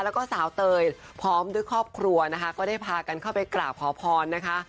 แล้วก็สาวเตยพร้อมด้วยครอบครัวนะคะก็ได้พากันเข้าไปกราบขอพรนะคะ